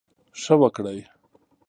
ښه وکړٸ.